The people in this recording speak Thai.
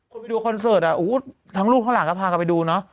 ไปดูคอนเสิร์ตทั้งรูปข้างหลังก็พากันไปดูเนอะ